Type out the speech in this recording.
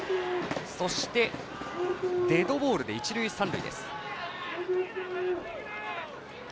そしてデッドボールで一塁三塁。